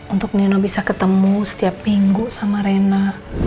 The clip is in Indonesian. untuk nino bisa ketemu setiap minggu sama rina